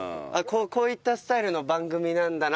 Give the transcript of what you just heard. こういったスタイルの番組なんだなと改めて。